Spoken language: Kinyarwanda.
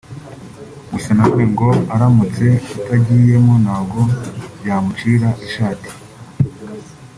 gusa na none ngo aramutse atarigiyemo ntabwo byamucira ishati